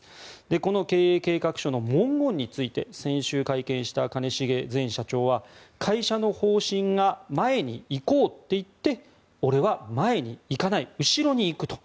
この経営計画書の文言について先週会見した兼重前社長は会社の方針が前に行こうって言って俺は前に行かない後ろに行くと。